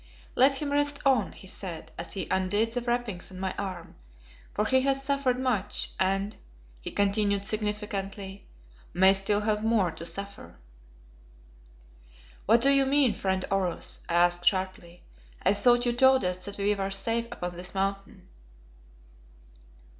"Let him rest on," he said, as he undid the wrappings on my arm, "for he has suffered much, and," he continued significantly, "may still have more to suffer." "What do you mean, friend Oros?" I asked sharply. "I thought you told us that we were safe upon this Mountain."